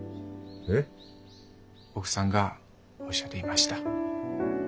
奥さんがおっしゃっていました。